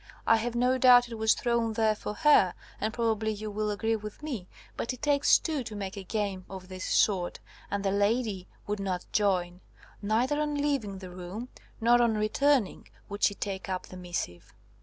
"I have no doubt it was thrown there for her, and probably you will agree with me. But it takes two to make a game of this sort, and the lady would not join. Neither on leaving the room nor on returning would she take up the missive."